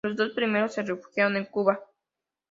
Los dos primeros se refugiaron en Cuba.